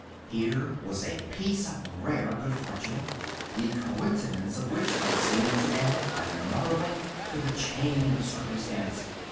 Here was a piece of rare good fortune, the coincidence of which seemed to add another link to the chain of circumstance.